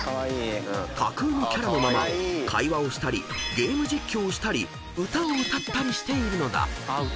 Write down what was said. ［架空のキャラのまま会話をしたりゲーム実況をしたり歌を歌ったりしているのだ］